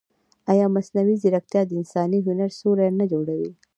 ایا مصنوعي ځیرکتیا د انساني هنر سیوری نه جوړوي؟